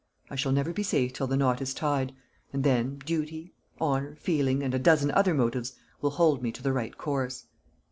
I shall never be safe till the knot is tied; and then duty, honour, feeling, and a dozen other motives, will hold me to the right course."